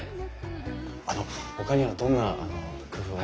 あのほかにはどんな工夫を。